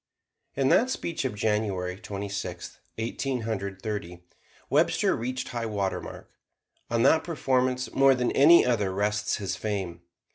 In that speech of January Twenty sixth, Eighteen Hundred Thirty, Webster reached high water mark. On that performance, more than any other, rests his fame.